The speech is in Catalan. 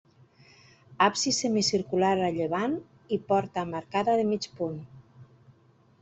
Absis semicircular a llevant i porta amb arcada de mig punt.